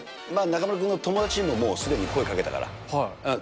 中丸君の友達にももうすでに声かけたから。